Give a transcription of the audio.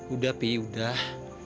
udah pi udah